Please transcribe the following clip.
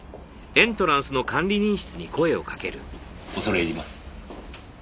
恐れ入ります。